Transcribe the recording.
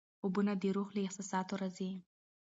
خوبونه د روح له احساساتو راځي.